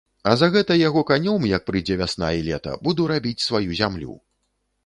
А за гэта яго канём, як прыйдзе вясна і лета, буду рабіць сваю зямлю.